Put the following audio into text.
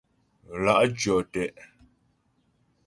Lá' tyɔ́ te'.